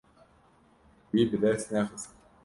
Wî bi dest xist.